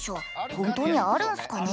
本当にあるんすかね。